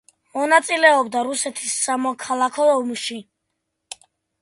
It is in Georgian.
მონაწილეობდა რუსეთის სამოქალაქო ომში.